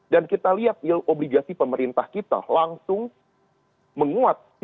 dan kita lihat obligasi pemerintah kita langsung menguat